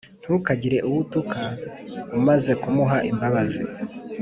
ntukagire uwo utuka, umaze kumuha imbabazi